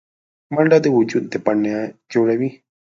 منډه د وجود د بڼه جوړوي